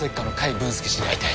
文助氏に会いたい。